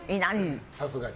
さすがに。